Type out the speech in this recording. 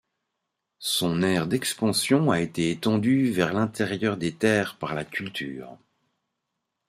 Son aire d'expansion a été étendue vers l'intérieur des terres par la culture.